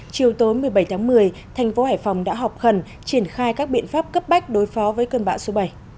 chiều tối một mươi bảy tháng một mươi thành phố hải phòng đã họp khẩn triển khai các biện pháp cấp bách đối phó với cơn bão số bảy